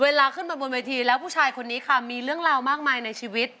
เวลาขึ้นมาบนเวทีแล้วผู้ชายคนนี้ค่ะมีเรื่องราวมากมายในชีวิต